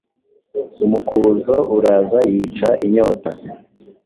umukuzo uraza yica inyota